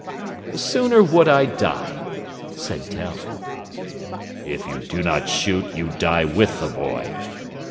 "Sooner would I die," said Tell. "If you do not shoot you die with the boy.